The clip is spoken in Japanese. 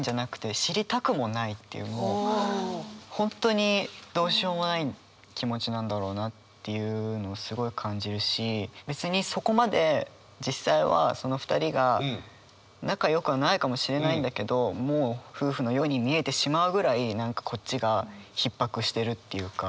もう本当にどうしようもない気持ちなんだろうなっていうのをすごい感じるし別にそこまで実際はその２人が仲よくはないかもしれないんだけどもう夫婦のように見えてしまうぐらい何かこっちがひっ迫してるっていうか。